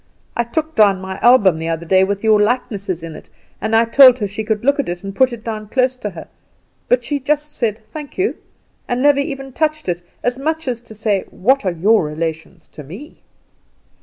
I took down my album the other day with your likenesses in it, and I told her she could look at it, and put it down close to her; but she just said, Thank you, and never even touched it, as much as to say What are your relations to me?